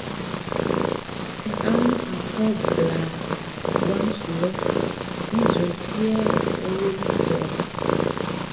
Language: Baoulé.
Sɛ a wun akɔ blaʼn guaʼn su lɔʼn, i nzuɛnʼn ti yɛ ɔ yoli sɔ ɔ.